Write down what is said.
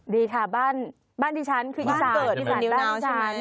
ดีค่ะบ้านที่ฉันคืออีสานนิวนาวใช่ไหม